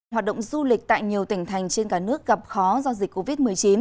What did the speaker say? hoạt động du lịch tại nhiều tỉnh thành trên cả nước gặp khó do dịch covid một mươi chín